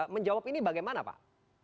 menjawab ini bagaimana pak